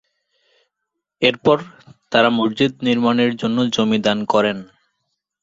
এরপর, তারা মসজিদ নির্মাণের জন্য জমি দান করেন।